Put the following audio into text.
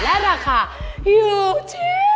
และราคาอยู่ที่